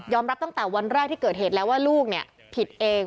รับตั้งแต่วันแรกที่เกิดเหตุแล้วว่าลูกผิดเอง